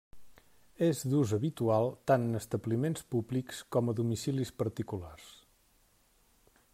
És d'ús habitual tant en establiments públics com a domicilis particulars.